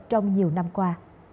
trong nhiều năm qua